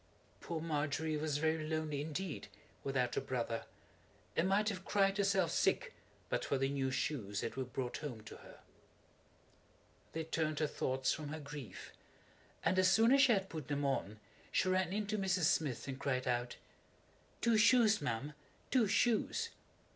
Poor Margery was very lonely indeed, without her brother, and might have cried herself sick but for the new shoes that were brought home to her. [Illustration: The Orphans] They turned her thoughts from her grief; and as soon as she had put them on she ran in to Mrs. Smith and cried out: "Two shoes, ma'am, two shoes!"